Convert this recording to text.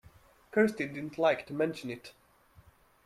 Kirsty didn’t like to mention it.